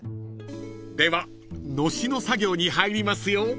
［ではのしの作業に入りますよ］